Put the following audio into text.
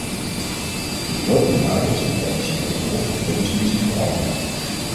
In de loop der jaren is de traditionele rol van vredesmissies veranderd.